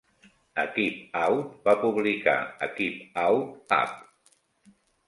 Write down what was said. Equip'Out va publicar "Equip'Out", "Up!